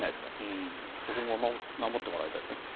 そこも守ってもらいたいですね。